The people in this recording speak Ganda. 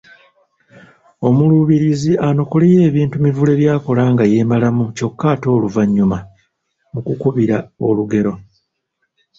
Omuluubirizi anokoleyo ebintu Mivule by’akola nga yeemalamu kyokka ate oluvannyuma mu kukubira olugero